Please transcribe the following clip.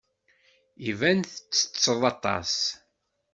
Iban ttetteḍ aṭas.